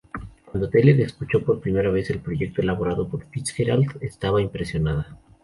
Cuando Tyler escuchó por primera vez el proyecto elaborado por Fitzgerald, estaba impresionada.